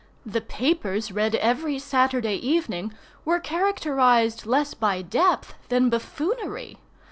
The papers read every Saturday evening were characterized less by depth than buffoonery.